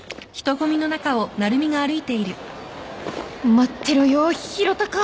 待ってろよ宏嵩